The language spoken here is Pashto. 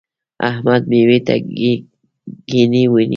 احمد؛ مېوې ته ګبڼۍ ونیو.